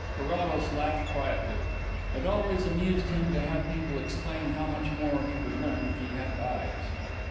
Carrados laughed quietly. It always amused him to have people explain how much more he would learn if he had eyes.